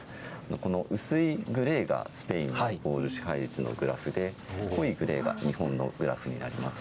この薄いグレーがスペインのボール支配率のグラフで、濃いグレーが日本のグラフになります。